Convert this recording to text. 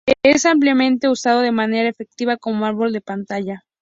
Es ampliamente usado de manera efectiva como árbol de pantalla.